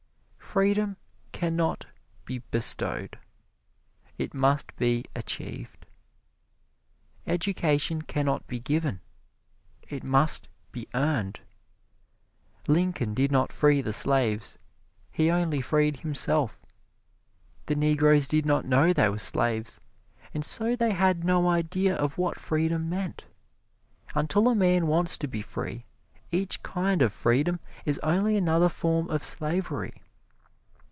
Freedom can not be bestowed it must be achieved. Education can not be given it must be earned. Lincoln did not free the slaves he only freed himself. The Negroes did not know they were slaves, and so they had no idea of what freedom meant. Until a man wants to be free, each kind of freedom is only another form of slavery.